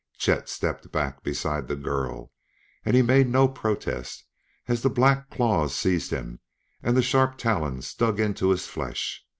Chet stepped back beside the girl, and he made no protest as the black claws seized him and the sharp talons dug into his flesh.